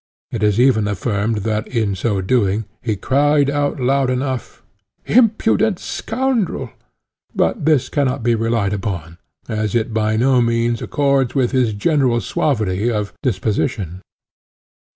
It is even affirmed that, in so doing, he cried out loud enough, "Impudent scoundrel!" But this cannot be relied upon, as it by no means accords with his general suavity of disposition.